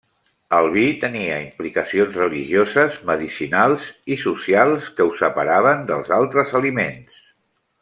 El vi tenia implicacions religioses, medicinals i socials que ho separaven d'altres aliments.